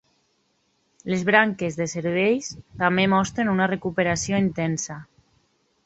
Les branques de serveis també mostren una recuperació intensa.